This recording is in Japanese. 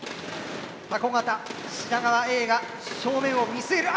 タコ型品川Ａが正面を見据える。